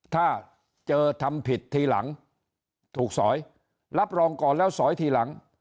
ถ้าเจอทำผิดทีหลังถูกสอยรับรองก่อนแล้วสอยทีหลัง